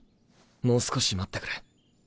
もう少し待ってくれ。